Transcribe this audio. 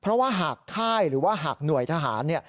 เพราะว่าหากค่ายหรือว่าหากหน่วยทหารเนี่ย